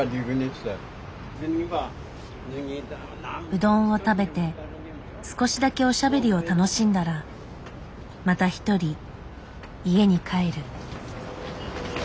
うどんを食べて少しだけおしゃべりを楽しんだらまた一人家に帰る。